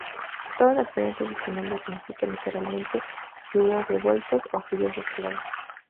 Todas las variantes de su nombre significan literalmente ‘fideos revueltos’ o ‘fideos mezclados’.